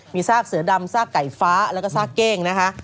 มีซากเสือดำซากไก่ฟ้าแล้วก็ซากเก้งนะคะ